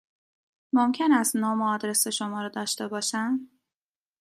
ممکن است نام و آدرس شما را داشته باشم؟